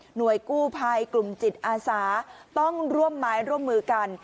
กู้ภัยกลุ่มจิตอาสาต้องร่วมไม้ร่วมมือกัน